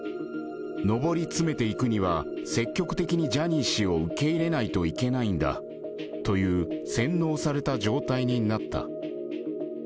上り詰めていくには、積極的にジャニー氏を受け入れないといけないんだという、洗脳された状態になった。